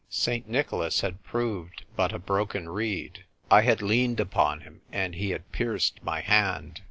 St. Nicholas had proved but a broken reed. I had leaned upon him, and he had pierced my hand.